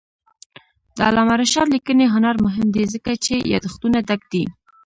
د علامه رشاد لیکنی هنر مهم دی ځکه چې یادښتونه ډک دي.